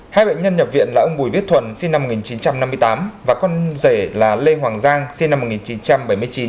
hai bệnh nhân nhập viện là ông bùi viết thuần sinh năm một nghìn chín trăm năm mươi tám và con rể là lê hoàng giang sinh năm một nghìn chín trăm bảy mươi chín